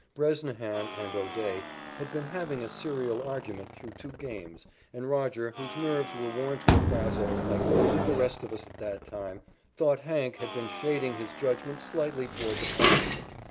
Bresnahan and O'Day had been having a serial argument through two games, and Roger, whose nerves were worn to a frazzle, like those of the rest of us at that time, thought "Hank" had been shading his judgment slightly toward the Cubs.